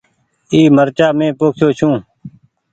اي مرچآ مين پوکيو ڇون۔